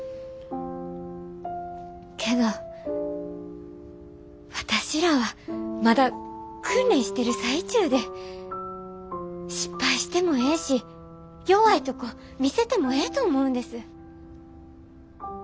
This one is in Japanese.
けど私らはまだ訓練してる最中で失敗してもええし弱いとこ見せてもええと思うんです。